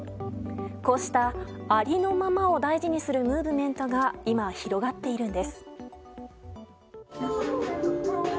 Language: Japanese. こうした、ありのままを大事にするムーブメントが今、広がっているんです。